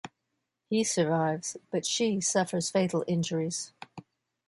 He survives, but she suffers fatal injuries.